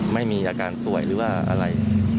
ไม่มีอาการป่วยหรือว่าอะไร